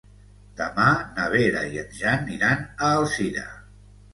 Demà na Vera i en Jan iran a Alzira.